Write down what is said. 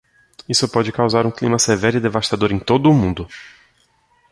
Isso pode causar um clima severo e devastador em todo o mundo.